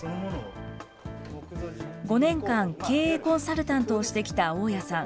５年間、経営コンサルタントをしてきた大屋さん。